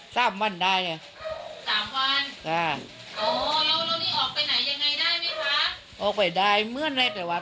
สามวันได้แบบนี้สามวัน